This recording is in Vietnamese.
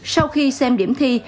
sau khi xem điểm thi